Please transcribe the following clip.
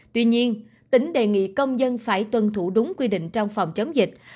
tuy nhiên tỉnh đề nghị công dân phải tuân thủ đúng quy định trong phòng chống dịch